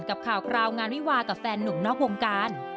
กับข่าวคราวงานวิวากับแฟนหนุ่มนอกวงการ